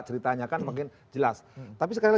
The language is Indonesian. ceritanya kan makin jelas tapi sekali lagi